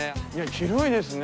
広いですね